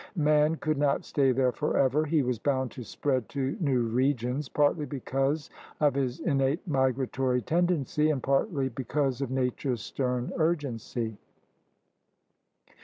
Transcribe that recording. Man could not stay there forever. He was bound to spread to new regions, partly because of his innate migratory tendency and partly THE APPROACHES TO AMERICA 13 because of Nature's stern urgency.